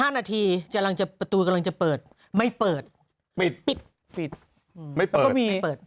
๑๕นาทีประตูกำลังจะเปิดไม่เปิดปิดไม่เปิด